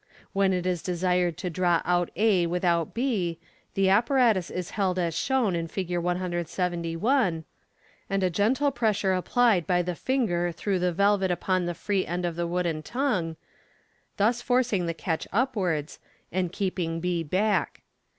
When it is desired to draw out a without b, the apparatus is held as shown in Fig. 171, and a gentle pressure applied by the finger through the velvet upon the free end of the wooden tongue, thus forcing the catch upwards, and keeping b back.